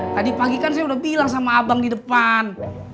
tadi pagi kan saya udah bilang sama abang di depan